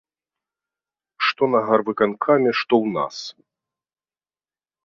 Што на гарвыканкаме, што ў нас.